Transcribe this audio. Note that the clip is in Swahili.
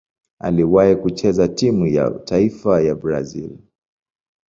Aliwahi kucheza timu ya taifa ya Brazil.